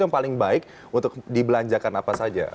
yang paling baik untuk dibelanjakan apa saja